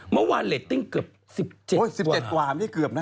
เมื่อวานเล็ตติ้งเกือบสิบเจ็ดกว่าโอ้ยสิบเจ็ดกว่าไม่ได้เกือบนะ